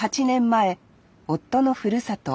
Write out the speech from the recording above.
前夫のふるさと